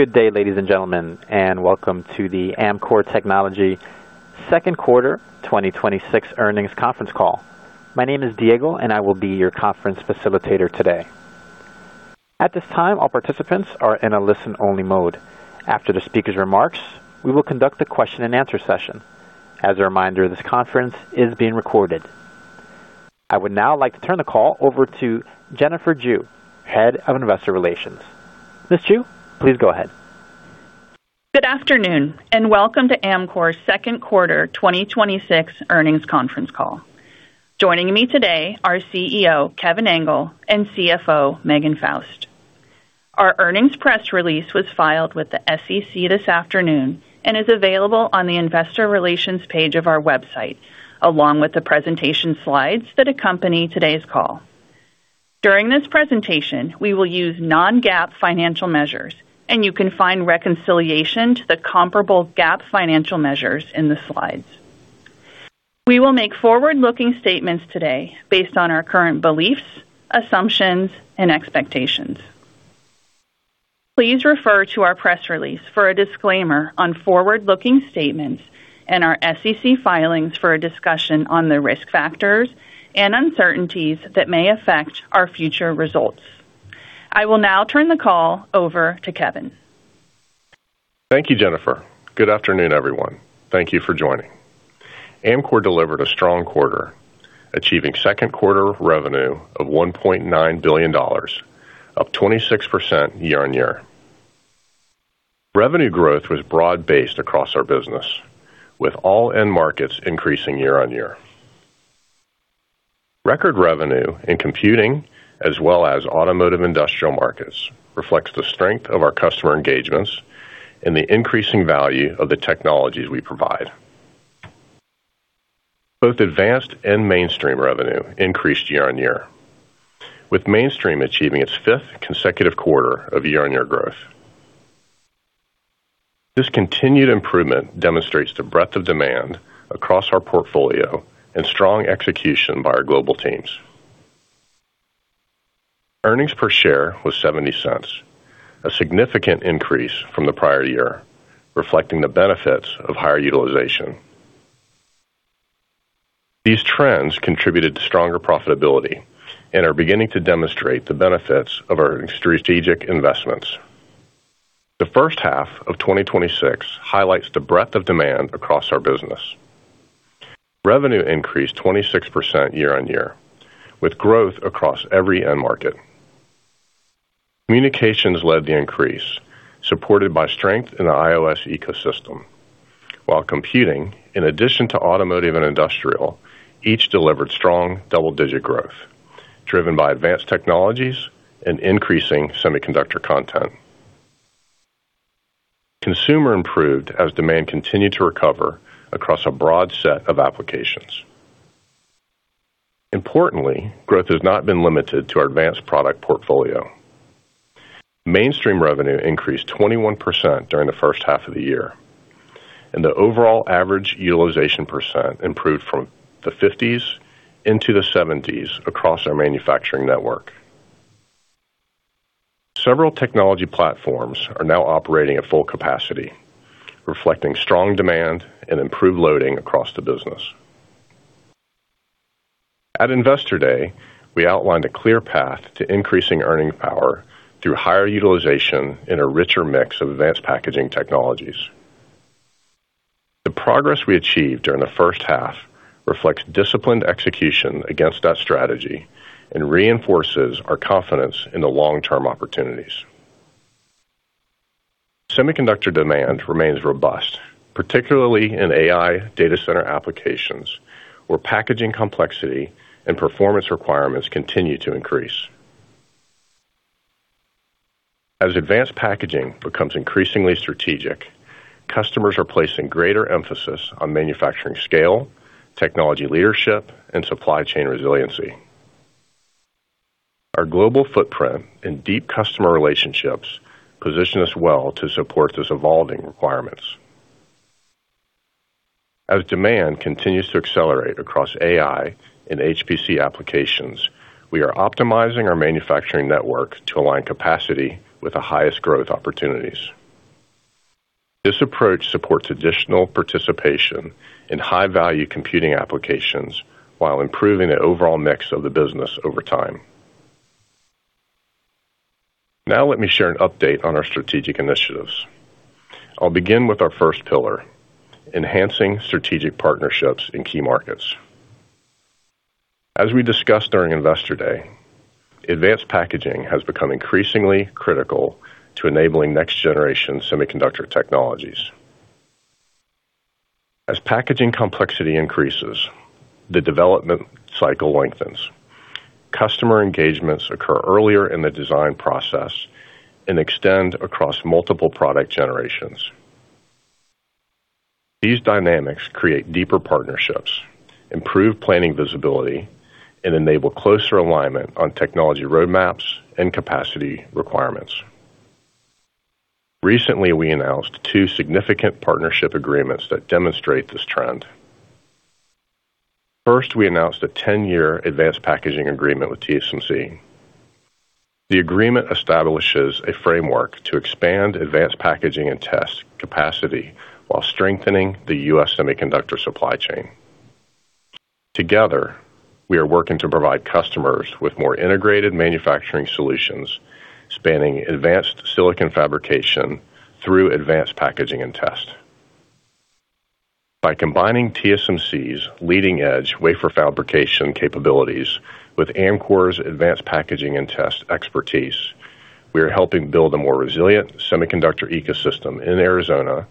Good day, ladies and gentlemen, and welcome to the Amkor Technology second quarter 2026 earnings conference call. My name is Diego, and I will be your conference facilitator today. At this time, all participants are in a listen-only mode. After the speaker's remarks, we will conduct a question and answer session. As a reminder, this conference is being recorded. I would now like to turn the call over to Jennifer Jue, Head of Investor Relations. Ms. Jue, please go ahead. Good afternoon, and welcome to Amkor's second quarter 2026 earnings conference call. Joining me today are Chief Executive Officer, Kevin Engel, and Chief Financial Officer, Megan Faust. Our earnings press release was filed with the SEC this afternoon and is available on the investor relations page of our website, along with the presentation slides that accompany today's call. During this presentation, we will use Non-GAAP financial measures, and you can find reconciliation to the comparable GAAP financial measures in the slides. We will make forward-looking statements today based on our current beliefs, assumptions, and expectations. Please refer to our press release for a disclaimer on forward-looking statements and our SEC filings for a discussion on the risk factors and uncertainties that may affect our future results. I will now turn the call over to Kevin. Thank you, Jennifer. Good afternoon, everyone. Thank you for joining. Amkor delivered a strong quarter, achieving second quarter revenue of $1.9 billion, up 26% year-on-year. Revenue growth was broad-based across our business, with all end markets increasing year-on-year. Record revenue in computing as well as automotive industrial markets reflects the strength of our customer engagements and the increasing value of the technologies we provide. Both advanced and mainstream revenue increased year-on-year, with mainstream achieving its fifth consecutive quarter of year-on-year growth. This continued improvement demonstrates the breadth of demand across our portfolio and strong execution by our global teams. Earnings per share was $0.70, a significant increase from the prior year, reflecting the benefits of higher utilization. These trends contributed to stronger profitability and are beginning to demonstrate the benefits of our strategic investments. The first half of 2026 highlights the breadth of demand across our business. Revenue increased 26% year-on-year, with growth across every end market. Communications led the increase, supported by strength in the iOS ecosystem, while computing, in addition to automotive and industrial, each delivered strong double-digit growth driven by advanced technologies and increasing semiconductor content. Consumer improved as demand continued to recover across a broad set of applications. Importantly, growth has not been limited to our advanced product portfolio. Mainstream revenue increased 21% during the first half of the year, and the overall average utilization percent improved from the 50s into the 70s across our manufacturing network. Several technology platforms are now operating at full capacity, reflecting strong demand and improved loading across the business. At Investor Day, we outlined a clear path to increasing earning power through higher utilization in a richer mix of advanced packaging technologies. The progress we achieved during the first half reflects disciplined execution against that strategy and reinforces our confidence in the long-term opportunities. Semiconductor demand remains robust, particularly in AI data center applications, where packaging complexity and performance requirements continue to increase. As advanced packaging becomes increasingly strategic, customers are placing greater emphasis on manufacturing scale, technology leadership, and supply chain resiliency. Our global footprint and deep customer relationships position us well to support those evolving requirements. As demand continues to accelerate across AI and HPC applications, we are optimizing our manufacturing network to align capacity with the highest growth opportunities. This approach supports additional participation in high-value computing applications while improving the overall mix of the business over time. Now let me share an update on our strategic initiatives. I'll begin with our first pillar, enhancing strategic partnerships in key markets. As we discussed during Investor Day, advanced packaging has become increasingly critical to enabling next-generation semiconductor technologies. As packaging complexity increases, the development cycle lengthens. Customer engagements occur earlier in the design process and extend across multiple product generations. These dynamics create deeper partnerships, improve planning visibility, and enable closer alignment on technology roadmaps and capacity requirements. Recently, we announced two significant partnership agreements that demonstrate this trend. First, we announced a 10-year advanced packaging agreement with TSMC. The agreement establishes a framework to expand advanced packaging and test capacity while strengthening the U.S. semiconductor supply chain. Together, we are working to provide customers with more integrated manufacturing solutions, spanning advanced silicon fabrication through advanced packaging and test. By combining TSMC's leading-edge wafer fabrication capabilities with Amkor's advanced packaging and test expertise, we are helping build a more resilient semiconductor ecosystem in Arizona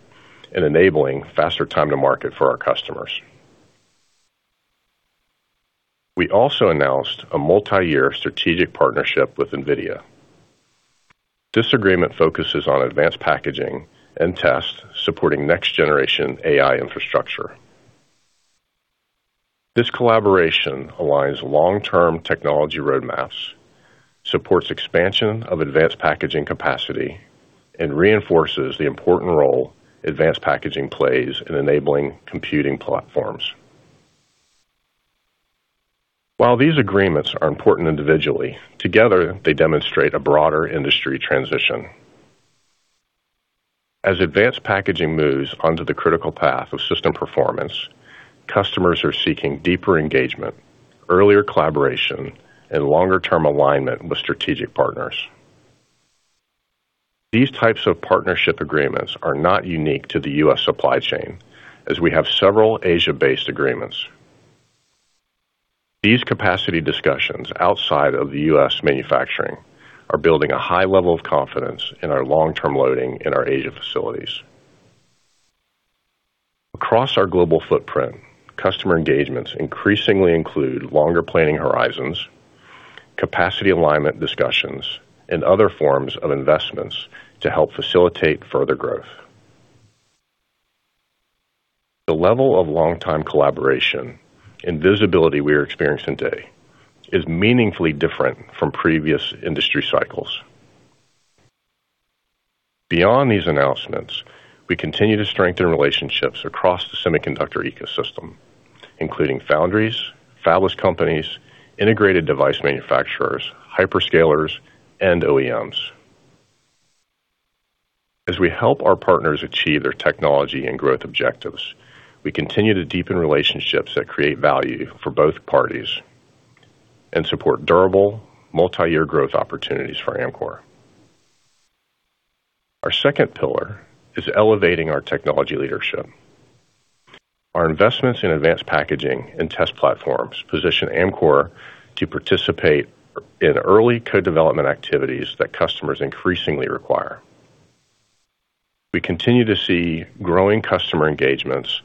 and enabling faster time to market for our customers. We also announced a multi-year strategic partnership with NVIDIA. This agreement focuses on advanced packaging and test supporting next-generation AI infrastructure. This collaboration aligns long-term technology roadmaps, supports expansion of advanced packaging capacity, and reinforces the important role advanced packaging plays in enabling computing platforms. While these agreements are important individually, together, they demonstrate a broader industry transition. As advanced packaging moves onto the critical path of system performance, customers are seeking deeper engagement, earlier collaboration, and longer-term alignment with strategic partners. These types of partnership agreements are not unique to the U.S. supply chain as we have several Asia-based agreements. These capacity discussions outside of the U.S. manufacturing are building a high level of confidence in our long-term loading in our Asia facilities. Across our global footprint, customer engagements increasingly include longer planning horizons, capacity alignment discussions, and other forms of investments to help facilitate further growth. The level of long-time collaboration and visibility we are experiencing today is meaningfully different from previous industry cycles. Beyond these announcements, we continue to strengthen relationships across the semiconductor ecosystem, including foundries, fabless companies, integrated device manufacturers, hyperscalers, and OEMs. As we help our partners achieve their technology and growth objectives, we continue to deepen relationships that create value for both parties and support durable multi-year growth opportunities for Amkor. Our second pillar is elevating our technology leadership. Our investments in advanced packaging and test platforms position Amkor to participate in early co-development activities that customers increasingly require. We continue to see growing customer engagements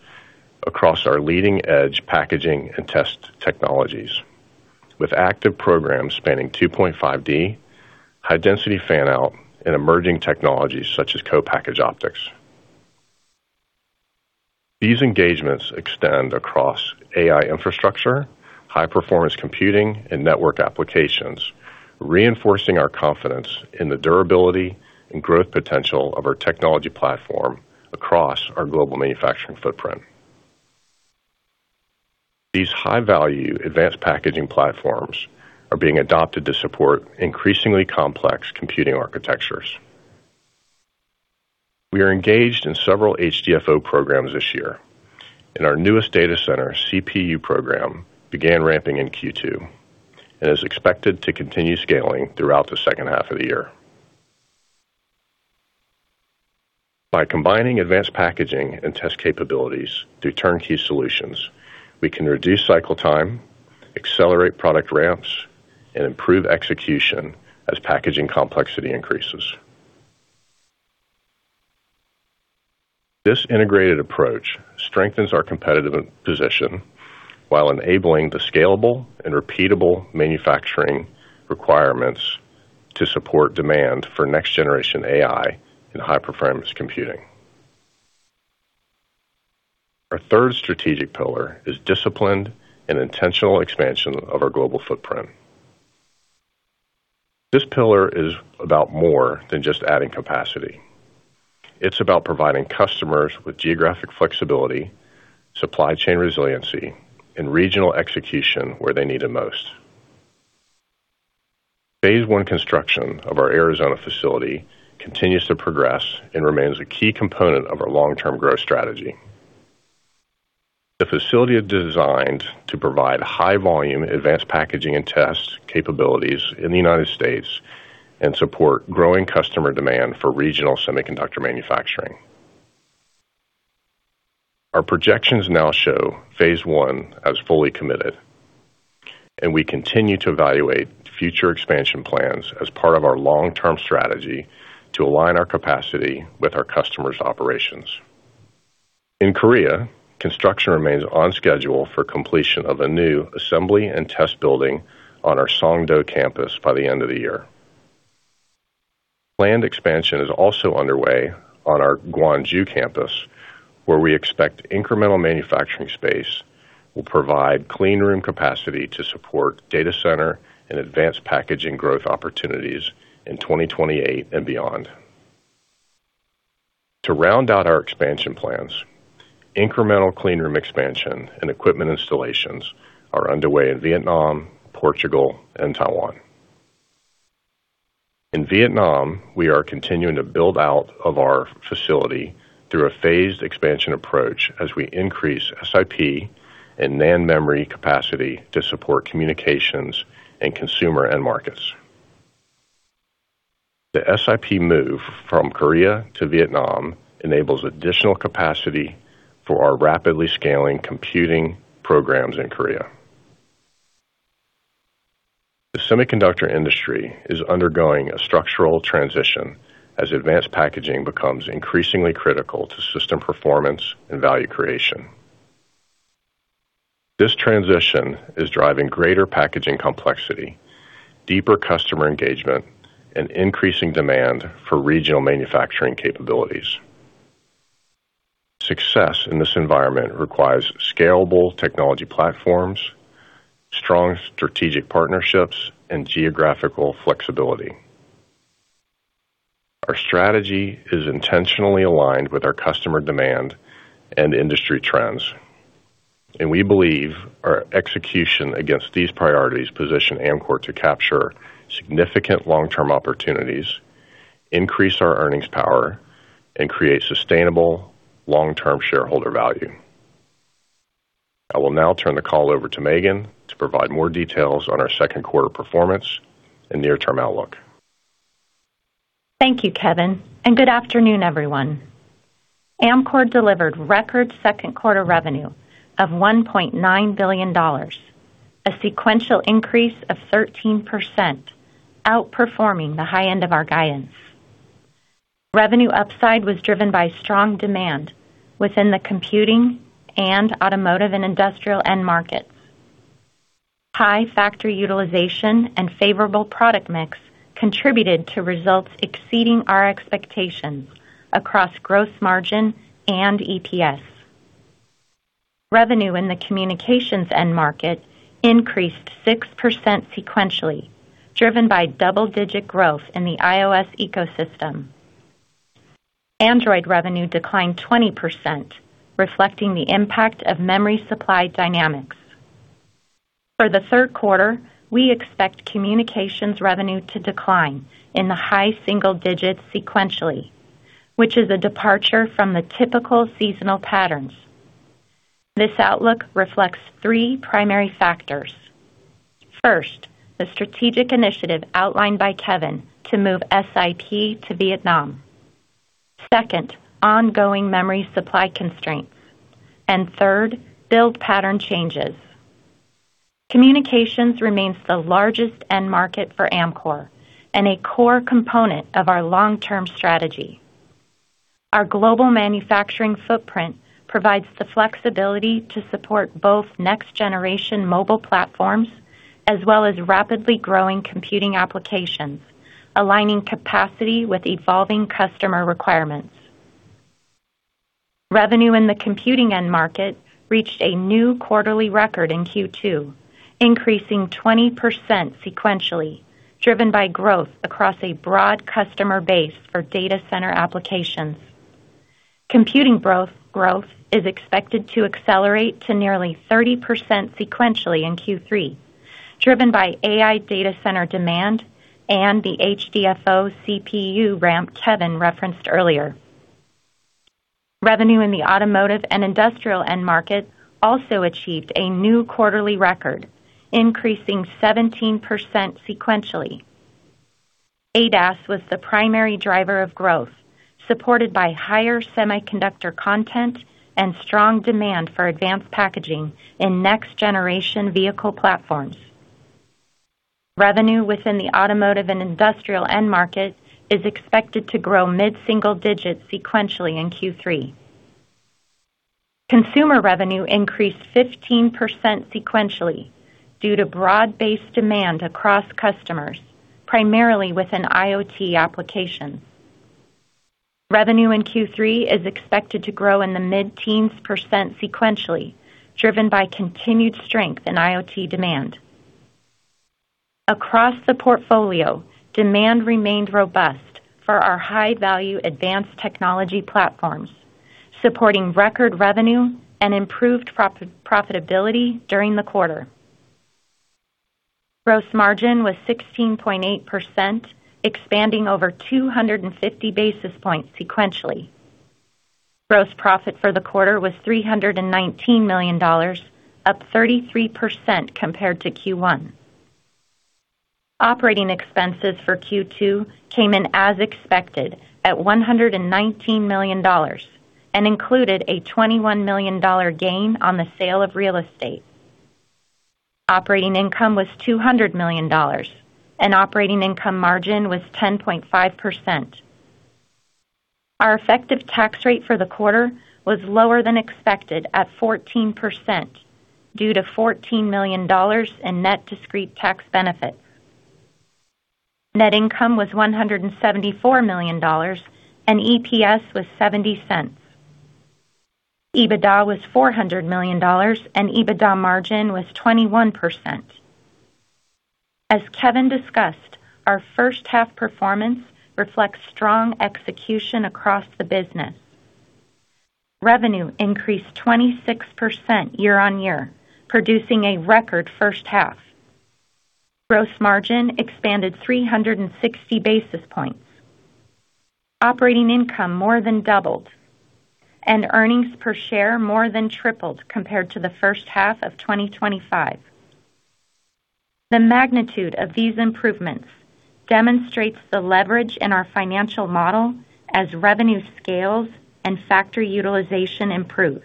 across our leading-edge packaging and test technologies, with active programs spanning 2.5D, high-density fan-out, and emerging technologies such as co-packaged optics. These engagements extend across AI infrastructure, high-performance computing, and network applications, reinforcing our confidence in the durability and growth potential of our technology platform across our global manufacturing footprint. These high-value advanced packaging platforms are being adopted to support increasingly complex computing architectures. We are engaged in several HDFO programs this year, and our newest data center CPU program began ramping in Q2 and is expected to continue scaling throughout the second half of the year. By combining advanced packaging and test capabilities through turnkey solutions, we can reduce cycle time, accelerate product ramps, and improve execution as packaging complexity increases. This integrated approach strengthens our competitive position while enabling the scalable and repeatable manufacturing requirements to support demand for next-generation AI in high-performance computing. Our third strategic pillar is disciplined and intentional expansion of our global footprint. This pillar is about more than just adding capacity. It's about providing customers with geographic flexibility, supply chain resiliency, and regional execution where they need it most. Phase I construction of our Arizona facility continues to progress and remains a key component of our long-term growth strategy. The facility is designed to provide high-volume, advanced packaging and test capabilities in the United States and support growing customer demand for regional semiconductor manufacturing. Our projections now show phase I as fully committed, and we continue to evaluate future expansion plans as part of our long-term strategy to align our capacity with our customers' operations. In Korea, construction remains on schedule for completion of a new assembly and test building on our Songdo campus by the end of the year. Planned expansion is also underway on our Gwangju campus, where we expect incremental manufacturing space will provide clean room capacity to support data center and advanced packaging growth opportunities in 2028 and beyond. To round out our expansion plans, incremental clean room expansion and equipment installations are underway in Vietnam, Portugal, and Taiwan. In Vietnam, we are continuing the build-out of our facility through a phased expansion approach as we increase SiP and NAND memory capacity to support communications and consumer end markets. The SiP move from Korea to Vietnam enables additional capacity for our rapidly scaling computing programs in Korea. The semiconductor industry is undergoing a structural transition as advanced packaging becomes increasingly critical to system performance and value creation. This transition is driving greater packaging complexity, deeper customer engagement, and increasing demand for regional manufacturing capabilities. Success in this environment requires scalable technology platforms, strong strategic partnerships, and geographical flexibility. Our strategy is intentionally aligned with our customer demand and industry trends, and we believe our execution against these priorities position Amkor to capture significant long-term opportunities, increase our earnings power, and create sustainable long-term shareholder value. I will now turn the call over to Megan to provide more details on our second quarter performance and near-term outlook. Thank you, Kevin, and good afternoon, everyone. Amkor delivered record second quarter revenue of $1.9 billion, a sequential increase of 13%, outperforming the high end of our guidance. Revenue upside was driven by strong demand within the computing and automotive and industrial end markets. High factory utilization and favorable product mix contributed to results exceeding our expectations across gross margin and EPS. Revenue in the communications end market increased 6% sequentially, driven by double-digit growth in the iOS ecosystem. Android revenue declined 20%, reflecting the impact of memory supply dynamics. For the third quarter, we expect communications revenue to decline in the high single digits sequentially, which is a departure from the typical seasonal patterns. This outlook reflects three primary factors. First, the strategic initiative outlined by Kevin to move SiP to Vietnam. Second, ongoing memory supply constraints. Third, build pattern changes. Communications remains the largest end market for Amkor and a core component of our long-term strategy. Our global manufacturing footprint provides the flexibility to support both next-generation mobile platforms as well as rapidly growing computing applications, aligning capacity with evolving customer requirements. Revenue in the computing end market reached a new quarterly record in Q2, increasing 20% sequentially, driven by growth across a broad customer base for data center applications. Computing growth is expected to accelerate to nearly 30% sequentially in Q3, driven by AI data center demand and the HDFO CPU ramp Kevin referenced earlier. Revenue in the automotive and industrial end market also achieved a new quarterly record, increasing 17% sequentially. ADAS was the primary driver of growth, supported by higher semiconductor content and strong demand for advanced packaging in next-generation vehicle platforms. Revenue within the automotive and industrial end market is expected to grow mid-single digits sequentially in Q3. Consumer revenue increased 15% sequentially due to broad-based demand across customers, primarily within IoT applications. Revenue in Q3 is expected to grow in the mid-teens percent sequentially, driven by continued strength in IoT demand. Across the portfolio, demand remained robust for our high-value advanced technology platforms, supporting record revenue and improved profitability during the quarter. Gross margin was 16.8%, expanding over 250 basis points sequentially. Gross profit for the quarter was $319 million, up 33% compared to Q1. Operating expenses for Q2 came in as expected at $119 million and included a $21 million gain on the sale of real estate. Operating income was $200 million, and operating income margin was 10.5%. Our effective tax rate for the quarter was lower than expected at 14%, due to $14 million in net discrete tax benefit. Net income was $174 million, and EPS was $0.70. EBITDA was $400 million, and EBITDA margin was 21%. As Kevin discussed, our first half performance reflects strong execution across the business. Revenue increased 26% year-over-year, producing a record first half. Gross margin expanded 360 basis points. Operating income more than doubled, and earnings per share more than tripled compared to the first half of 2025. The magnitude of these improvements demonstrates the leverage in our financial model as revenue scales and factory utilization improves.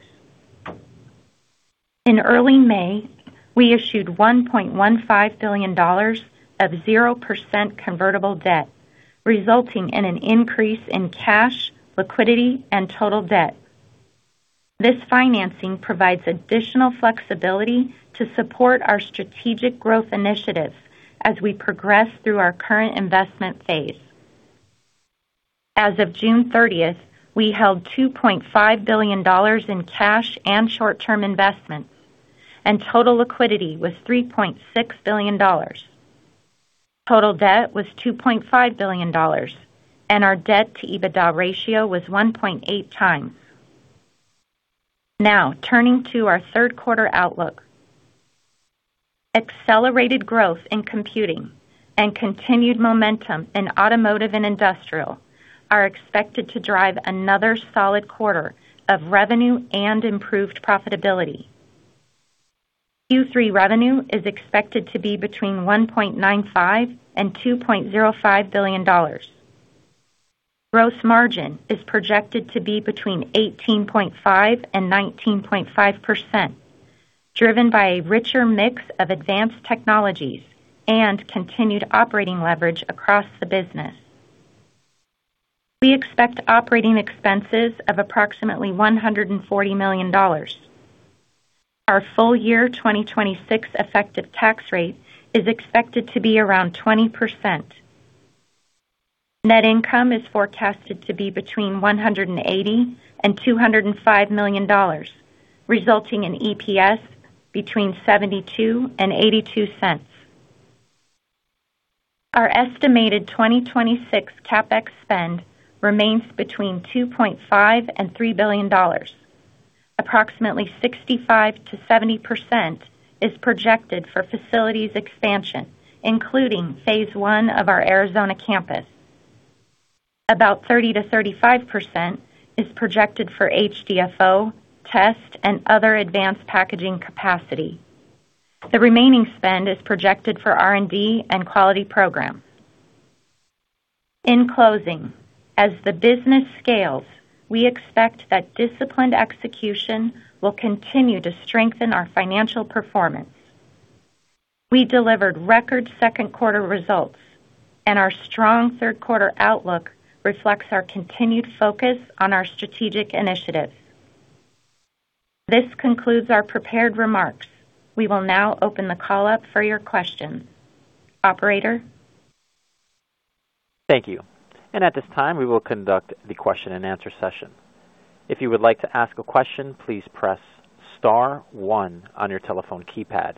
In early May, we issued $1.15 billion of 0% convertible debt, resulting in an increase in cash, liquidity, and total debt. This financing provides additional flexibility to support our strategic growth initiatives as we progress through our current investment phase. As of June 30th, we held $2.5 billion in cash and short-term investments, and total liquidity was $3.6 billion. Total debt was $2.5 billion, and our debt-to-EBITDA ratio was 1.8x. Turning to our third quarter outlook. Accelerated growth in computing and continued momentum in automotive and industrial are expected to drive another solid quarter of revenue and improved profitability. Q3 revenue is expected to be between $1.95 billion-$2.05 billion. Gross margin is projected to be between 18.5%-19.5%, driven by a richer mix of advanced technologies and continued operating leverage across the business. We expect operating expenses of approximately $140 million. Our full year 2026 effective tax rate is expected to be around 20%. Net income is forecasted to be between $180 million-$205 million, resulting in EPS between $0.72-$0.82. Our estimated 2026 CapEx spend remains between $2.5 billion-$3 billion. Approximately 65%-70% is projected for facilities expansion, including phase I of our Arizona campus. About 30%-35% is projected for HDFO, test, and other advanced packaging capacity. The remaining spend is projected for R&D and quality programs. In closing, as the business scales, we expect that disciplined execution will continue to strengthen our financial performance. We delivered record second quarter results, and our strong third quarter outlook reflects our continued focus on our strategic initiatives. This concludes our prepared remarks. We will now open the call up for your questions. Operator? Thank you. At this time, we will conduct the question and answer session. If you would like to ask a question, please press star one on your telephone keypad.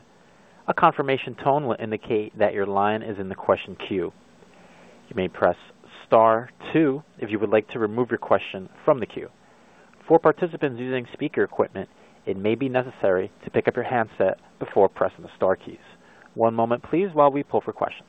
A confirmation tone will indicate that your line is in the question queue. You may press star two if you would like to remove your question from the queue. For participants using speaker equipment, it may be necessary to pick up your handset before pressing the star keys. One moment, please, while we pull for questions.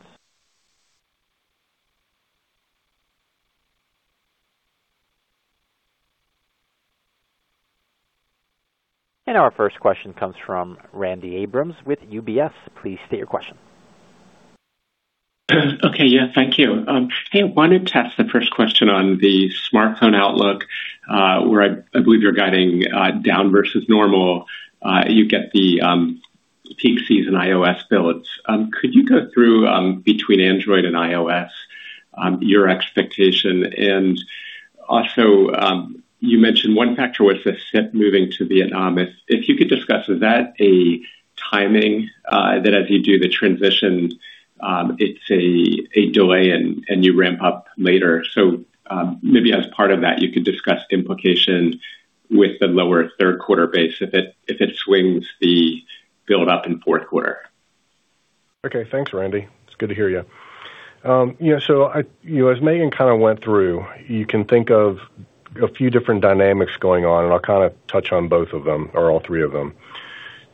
Our first question comes from Randy Abrams with UBS. Please state your question. Okay. Yeah, thank you. Hey, I wanted to ask the first question on the smartphone outlook, where I believe you're guiding down versus normal. You get the peak season iOS builds. Could you go through, between Android and iOS, your expectation? Also, you mentioned one factor was the SiP moving to Vietnam. If you could discuss, is that a timing, that as you do the transition, it's a delay, and you ramp up later. Maybe as part of that, you could discuss the implication with the lower third quarter base if it swings the build up in fourth quarter. Okay, thanks, Randy. It's good to hear you. As Megan kind of went through, you can think of a few different dynamics going on, and I'll kind of touch on both of them, or all three of them.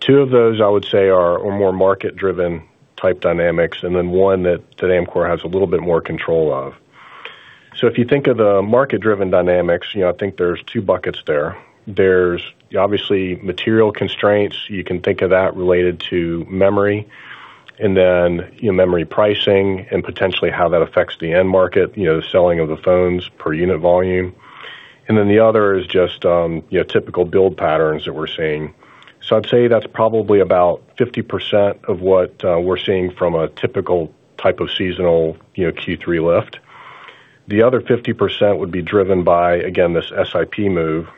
Two of those, I would say, are more market-driven type dynamics, and then one that Amkor has a little bit more control of. If you think of the market-driven dynamics, I think there's two buckets there. There's obviously material constraints. You can think of that related to memory, and then memory pricing and potentially how that affects the end market, the selling of the phones per unit volume. The other is just typical build patterns that we're seeing. I'd say that's probably about 50% of what we're seeing from a typical type of seasonal Q3 lift. The other 50% would be driven by, again, this SiP move.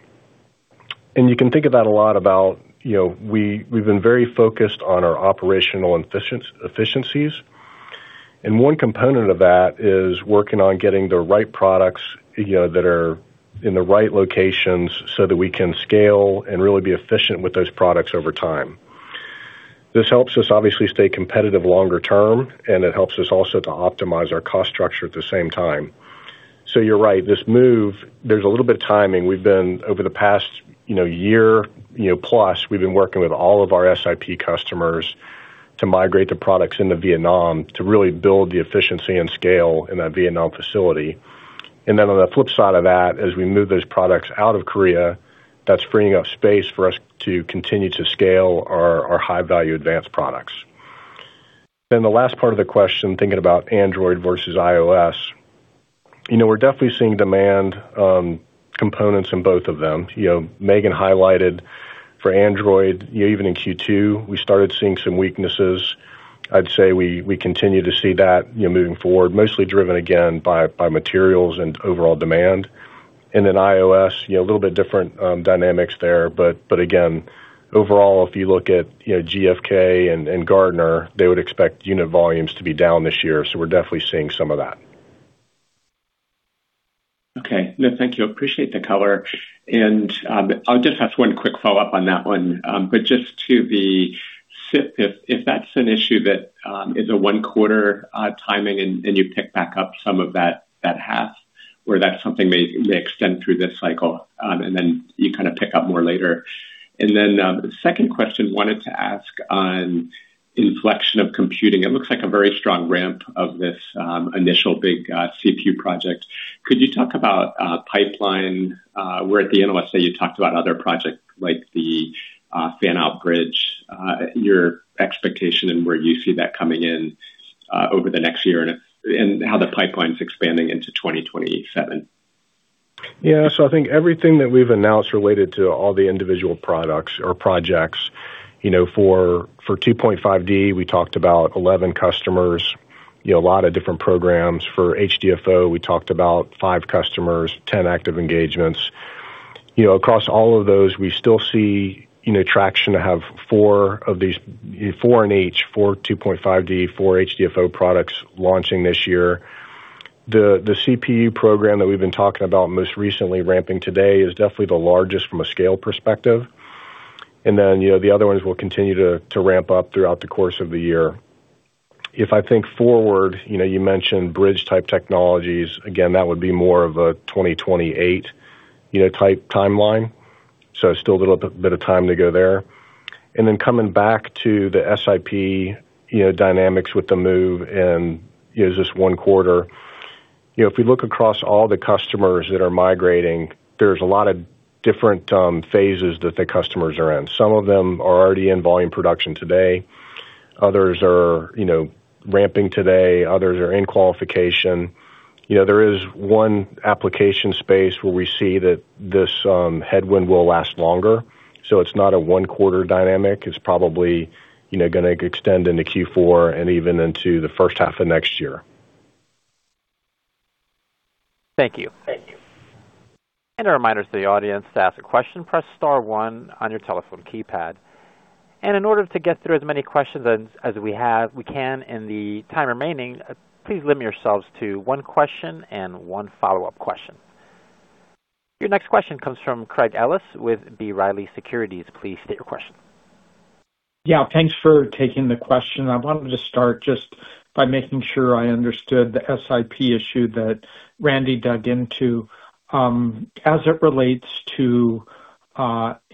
You can think about a lot about we've been very focused on our operational efficiencies. One component of that is working on getting the right products that are in the right locations so that we can scale and really be efficient with those products over time. This helps us obviously stay competitive longer term, and it helps us also to optimize our cost structure at the same time. You're right, this move, there's a little bit of timing. We've been, over the past year plus, we've been working with all of our SiP customers to migrate the products into Vietnam to really build the efficiency and scale in that Vietnam facility. On the flip side of that, as we move those products out of Korea, that's freeing up space for us to continue to scale our high-value advanced products. The last part of the question, thinking about Android versus iOS. We're definitely seeing demand components in both of them. Megan highlighted for Android, even in Q2, we started seeing some weaknesses. I'd say we continue to see that moving forward, mostly driven again by materials and overall demand. iOS, a little bit different dynamics there, but again, overall, if you look at GfK and Gartner, they would expect unit volumes to be down this year. We're definitely seeing some of that. Okay. No, thank you. Appreciate the color. I'll just ask one quick follow-up on that one. Just to be SiP, if that's an issue that is a one-quarter timing and you pick back up some of that half, or that's something may extend through this cycle, and then you kind of pick up more later. The second question I wanted to ask on inflection of computing. It looks like a very strong ramp of this initial big CPU project. Could you talk about pipeline, where at the Analyst Day you talked about other projects like the fan-out bridge, your expectation, and where you see that coming in over the next year, and how the pipeline's expanding into 2027? Yeah. I think everything that we've announced related to all the individual products or projects. For 2.5D, we talked about 11 customers, a lot of different programs. For HDFO, we talked about five customers, 10 active engagements. Across all of those, we still see traction to have four in each, four 2.5D, four HDFO products launching this year. The CPU program that we've been talking about most recently ramping today is definitely the largest from a scale perspective. The other ones will continue to ramp up throughout the course of the year. If I think forward, you mentioned bridge-type technologies. Again, that would be more of a 2028 type timeline. Still a little bit of time to go there. Coming back to the SiP dynamics with the move and is this one quarter. If we look across all the customers that are migrating, there's a lot of different phases that the customers are in. Some of them are already in volume production today. Others are ramping today. Others are in qualification. There is one application space where we see that this headwind will last longer. It's not a one-quarter dynamic. It's probably going to extend into Q4 and even into the first half of next year. Thank you. A reminder to the audience, to ask a question, press star one on your telephone keypad. In order to get through as many questions as we can in the time remaining, please limit yourselves to one question and one follow-up question. Your next question comes from Craig Ellis with B. Riley Securities. Please state your question. Yeah, thanks for taking the question. I wanted to start just by making sure I understood the SiP issue that Randy dug into, as it relates to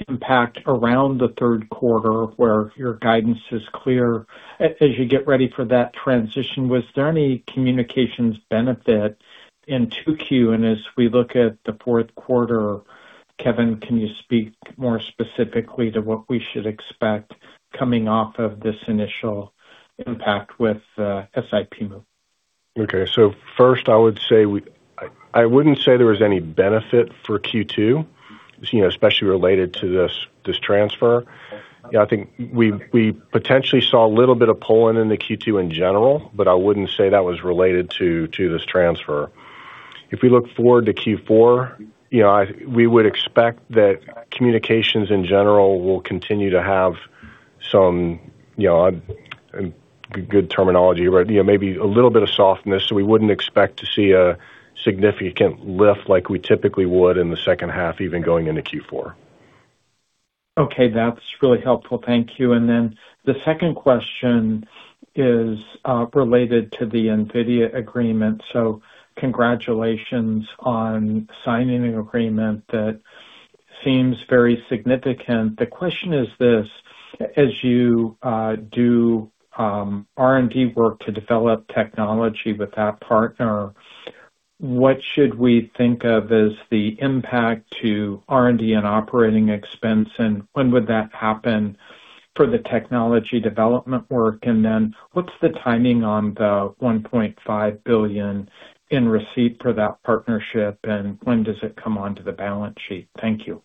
impact around the third quarter where your guidance is clear. As you get ready for that transition, was there any communications benefit in 2Q? As we look at the fourth quarter, Kevin, can you speak more specifically to what we should expect coming off of this initial impact with SiP move? First, I wouldn't say there was any benefit for Q2, especially related to this transfer. I think we potentially saw a little bit of pulling in the Q2 in general, but I wouldn't say that was related to this transfer. We look forward to Q4, we would expect that communications in general will continue to have some, good terminology, maybe a little bit of softness. We wouldn't expect to see a significant lift like we typically would in the second half, even going into Q4. Okay, that's really helpful. Thank you. The second question is related to the NVIDIA agreement. Congratulations on signing an agreement that seems very significant. The question is this: as you do R&D work to develop technology with that partner, what should we think of as the impact to R&D and operating expense, and when would that happen for the technology development work? What's the timing on the $1.5 billion in receipt for that partnership, and when does it come onto the balance sheet? Thank you.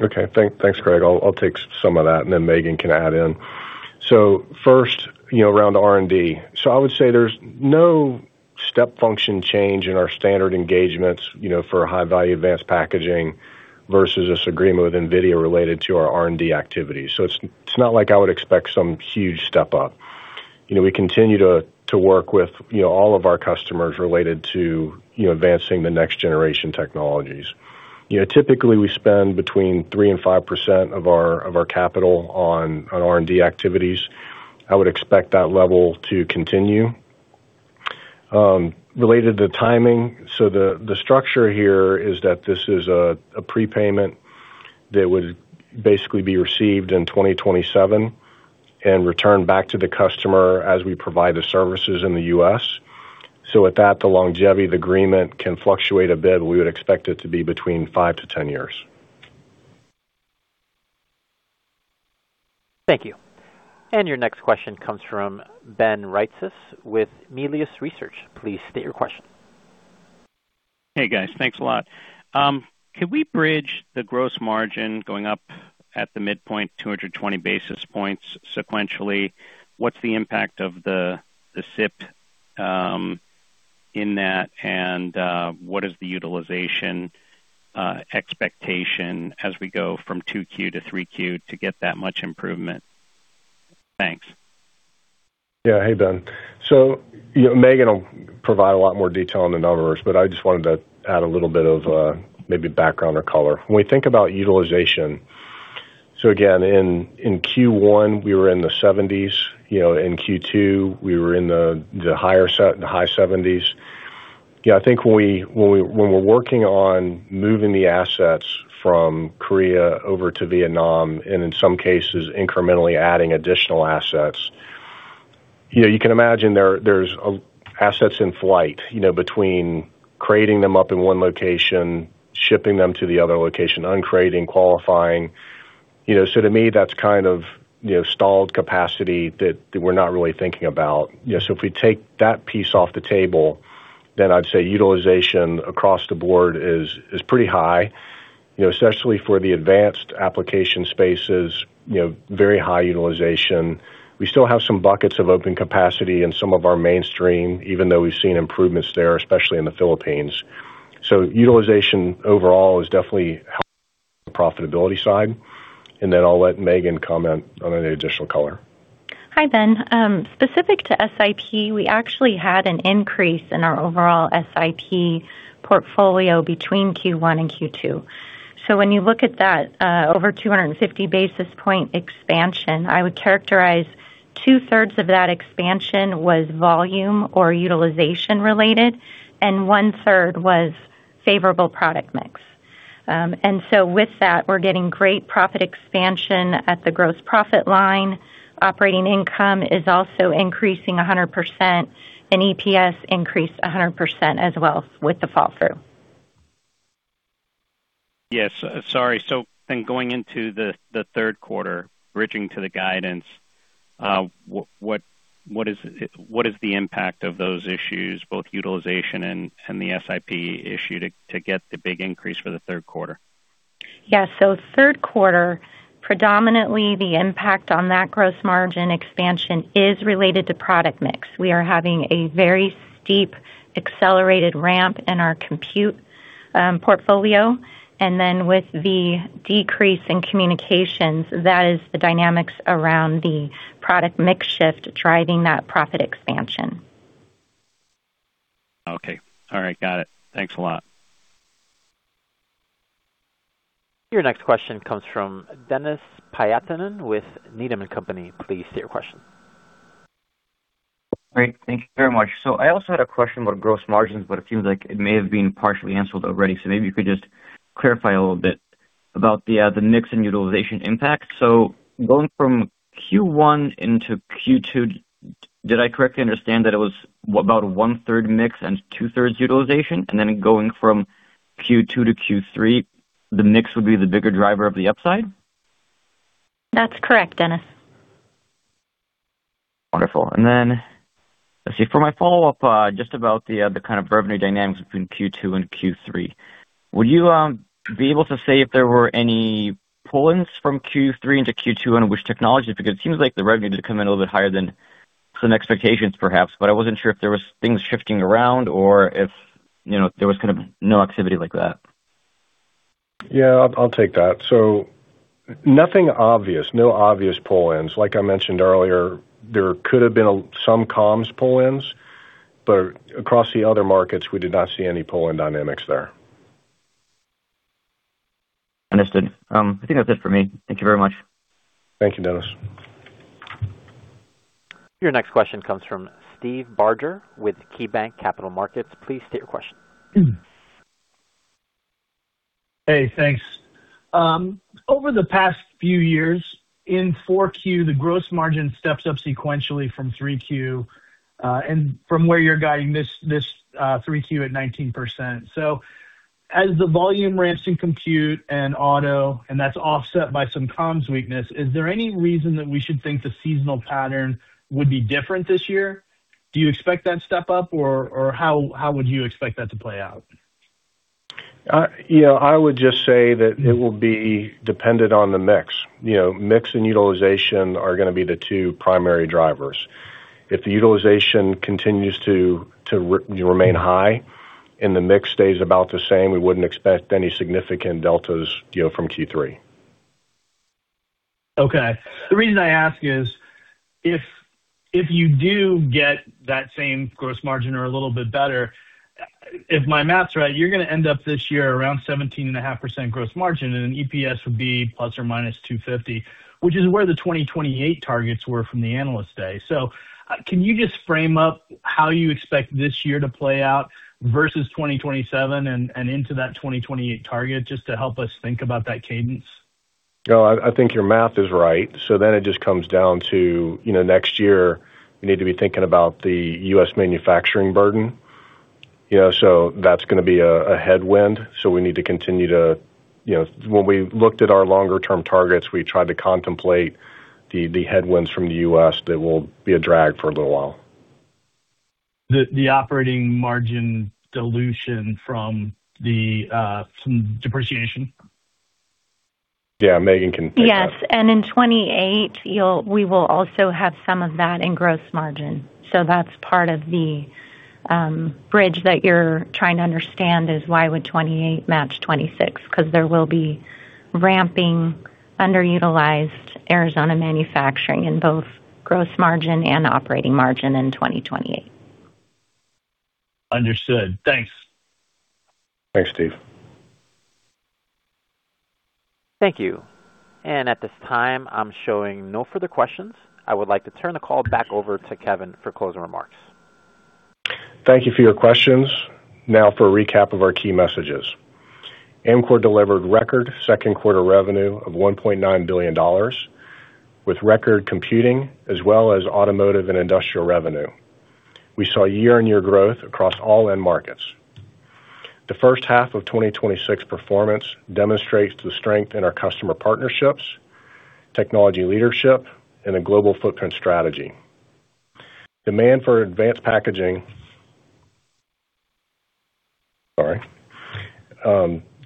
Okay, thanks, Craig. I'll take some of that, and then Megan can add in. First, around R&D. I would say there's no step function change in our standard engagements for high-value advanced packaging versus this agreement with NVIDIA related to our R&D activities. It's not like I would expect some huge step up. We continue to work with all of our customers related to advancing the next generation technologies. Typically, we spend between 3%-5% of our capital on R&D activities. I would expect that level to continue. Related to timing, the structure here is that this is a prepayment that would basically be received in 2027 and return back to the customer as we provide the services in the U.S. With that, the longevity of the agreement can fluctuate a bit, but we would expect it to be between five to 10 years. Thank you. Your next question comes from Ben Reitzes with Melius Research. Please state your question. Hey, guys. Thanks a lot. Could we bridge the gross margin going up at the midpoint 220 basis points sequentially? What's the impact of the SiP in that, and what is the utilization expectation as we go from 2Q-3Q to get that much improvement? Thanks. Yeah. Hey, Ben. Megan will provide a lot more detail on the numbers, but I just wanted to add a little bit of maybe background or color. When we think about utilization, again, in Q1, we were in the 70s. In Q2, we were in the high 70s. I think when we're working on moving the assets from Korea over to Vietnam, and in some cases incrementally adding additional assets, you can imagine there's assets in flight between crating them up in one location, shipping them to the other location, uncrating, qualifying. To me, that's kind of stalled capacity that we're not really thinking about. If we take that piece off the table, I'd say utilization across the board is pretty high, especially for the advanced application spaces, very high utilization. We still have some buckets of open capacity in some of our mainstream, even though we've seen improvements there, especially in the Philippines. Utilization overall is definitely helping the profitability side, and I'll let Megan comment on any additional color. Hi, Ben. Specific to SiP, we actually had an increase in our overall SiP portfolio between Q1-Q2. When you look at that over 250 basis point expansion, I would characterize 2/3 of that expansion was volume or utilization related, and 1/3 was favorable product mix. With that, we're getting great profit expansion at the gross profit line. Operating income is also increasing 100%, and EPS increased 100% as well with the fall through. Yes. Sorry. Going into the third quarter, bridging to the guidance, what is the impact of those issues, both utilization and the SiP issue, to get the big increase for the third quarter? Yeah. Third quarter, predominantly the impact on that gross margin expansion is related to product mix. We are having a very steep, accelerated ramp in our compute portfolio, with the decrease in communications, that is the dynamics around the product mix shift driving that profit expansion. Okay. All right. Got it. Thanks a lot. Your next question comes from Denis Pyatchanin with Needham & Company. Please state your question. Great. Thank you very much. I also had a question about gross margins, but it seems like it may have been partially answered already. Maybe you could just clarify a little bit about the mix and utilization impact. Going from Q1-Q2, did I correctly understand that it was about 1/3 mix and 2/3 utilization, and then going from Q2-Q3, the mix would be the bigger driver of the upside? That's correct, Denis. Wonderful. Let's see, for my follow-up, just about the kind of revenue dynamics between Q2-Q3. Would you be able to say if there were any pull-ins from Q3-Q2, and which technology? Because it seems like the revenue did come in a little bit higher than some expectations, perhaps, but I wasn't sure if there was things shifting around or if there was kind of no activity like that. Yeah, I'll take that. Nothing obvious. No obvious pull-ins. Like I mentioned earlier, there could have been some comms pull-ins, but across the other markets, we did not see any pull-in dynamics there. Understood. I think that's it for me. Thank you very much. Thank you, Denis. Your next question comes from Steve Barger with KeyBanc Capital Markets. Please state your question. Hey, thanks. Over the past few years, in 4Q, the gross margin steps up sequentially from 3Q, and from where you're guiding this 3Q at 19%. As the volume ramps in compute and auto, and that's offset by some comms weakness, is there any reason that we should think the seasonal pattern would be different this year? Do you expect that step up, or how would you expect that to play out? I would just say that it will be dependent on the mix. Mix and utilization are going to be the two primary drivers. If the utilization continues to remain high and the mix stays about the same, we wouldn't expect any significant deltas from Q3. Okay. The reason I ask is, if you do get that same gross margin or a little bit better, if my math's right, you're going to end up this year around 17.5% gross margin, EPS would be ±$250, which is where the 2028 targets were from the Analyst Day. Can you just frame up how you expect this year to play out versus 2027 and into that 2028 target, just to help us think about that cadence? I think your math is right. It just comes down to next year, we need to be thinking about the U.S. manufacturing burden. That's going to be a headwind. When we looked at our longer term targets, we tried to contemplate the headwinds from the U.S. that will be a drag for a little while. The operating margin dilution from the depreciation? Yeah. Megan can take that. Yes. In 2028, we will also have some of that in gross margin. That's part of the bridge that you're trying to understand is why would 2028 match 2026? There will be ramping underutilized Arizona manufacturing in both gross margin and operating margin in 2028. Understood. Thanks. Thanks, Steve. Thank you. At this time, I'm showing no further questions. I would like to turn the call back over to Kevin for closing remarks. Thank you for your questions. For a recap of our key messages. Amkor delivered record second quarter revenue of $1.9 billion, with record computing as well as automotive and industrial revenue. We saw year-on-year growth across all end markets. The first half of 2026 performance demonstrates the strength in our customer partnerships, technology leadership, and a global footprint strategy.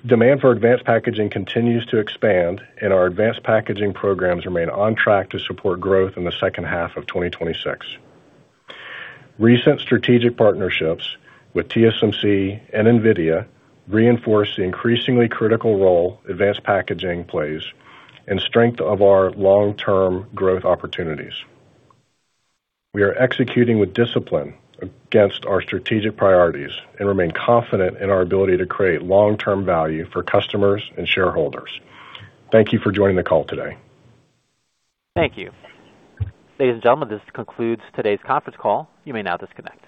Demand for advanced packaging continues to expand, and our advanced packaging programs remain on track to support growth in the second half of 2026. Recent strategic partnerships with TSMC and NVIDIA reinforce the increasingly critical role advanced packaging plays and strength of our long-term growth opportunities. We are executing with discipline against our strategic priorities and remain confident in our ability to create long-term value for customers and shareholders. Thank you for joining the call today. Thank you. Ladies and gentlemen, this concludes today's conference call. You may now disconnect.